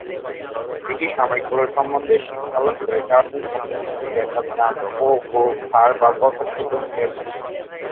British সামরিক কৌশল সম্বন্ধে শিক্ষালাভ করে চারজন ছাত্রের মধ্যে ব্সোদ-নাম্স-স্গোম-পো-গো-খার-বা প্রথম তিব্বত ফিরে আসেন।